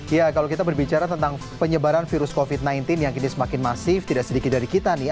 ya kalau kita berbicara tentang penyebaran virus covid sembilan belas yang kini semakin masif tidak sedikit dari kita nih ya